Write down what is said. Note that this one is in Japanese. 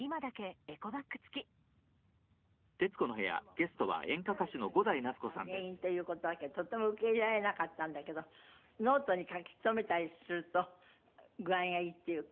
でもストレスがもしかしたら原因という事だけとっても受け入れられなかったんだけどノートに書き留めたりすると具合がいいっていうか。